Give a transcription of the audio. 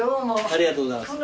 ありがとうございます。